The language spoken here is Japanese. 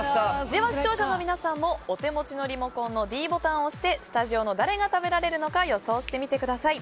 では視聴者の皆さんもお手持ちのリモコンのｄボタンを押してスタジオの誰が食べられるのか予想してみてください。